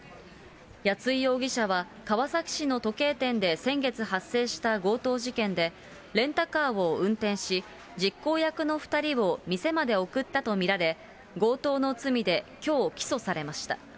谷井容疑者は川崎市の時計店で先月発生した強盗事件でレンタカーを運転し、実行役の２人を店まで送ったと見られ、強盗の罪で、きょう起訴されました。